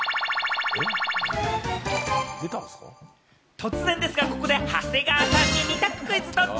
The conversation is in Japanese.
突然ですが、ここで長谷川さんに二択クイズ、ドッチ？